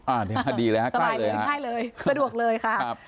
อ่าดีแล้วสบายเลยง่ายเลยสะดวกเลยค่ะครับ